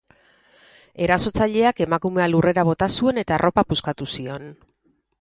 Erasotzaileak emakumea lurrera bota zuen eta arropa puskatu zion.